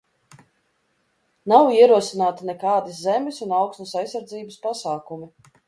Nav ierosināti nekādi zemes un augsnes aizsardzības pasākumi.